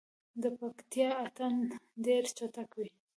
د پکتیا اتن ډیر چټک وي.